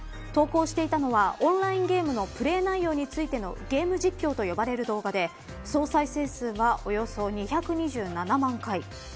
投稿していたのはオンラインゲームのプレー内容についてのゲーム実況と呼ばれる動画で総再生数は、およそ２２７万回。